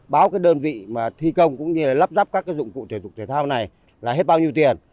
báo cái đơn vị mà thi công cũng như là lắp ráp các dụng cụ thể dục thể thao này là hết bao nhiêu tiền